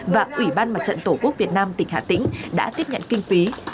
và ủy ban mặt trận tổ quốc việt nam tỉnh hà tĩnh đã tiếp nhận kinh phí